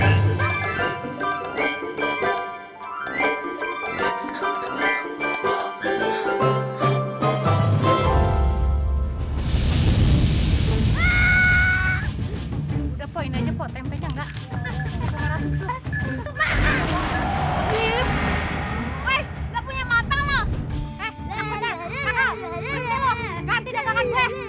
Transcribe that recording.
anjar bapak punya kabar gembira